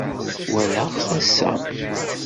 Walaɣ-t ass-a.